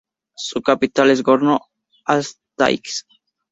Su capital es Gorno-Altaisk.